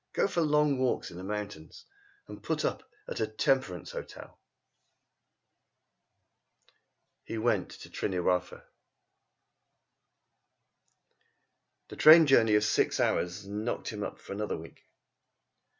Go for long walks on the mountains, and put up at a temperance hotel." He went to Tryn yr Wylfa. The train journey of six hours knocked him up for another week.